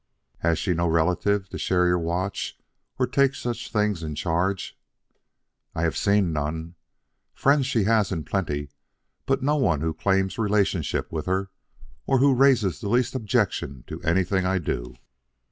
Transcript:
"Has she no relative to share your watch or take such things in charge?" "I have seen none. Friends she has in plenty, but no one who claims relationship with her, or who raises the least objection to anything I do."